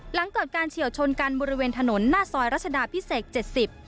หลังเกิดการเฉียวชนกันบริเวณถนนหน้าซอยรัชดาพิเศษเจ็ดสิบ